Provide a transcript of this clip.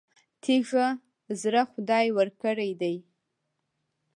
تېږه زړه خدای ورکړی دی.